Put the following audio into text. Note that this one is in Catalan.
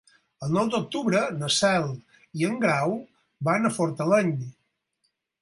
El nou d'octubre na Cel i en Grau van a Fortaleny.